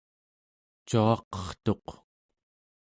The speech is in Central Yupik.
cuaqertuq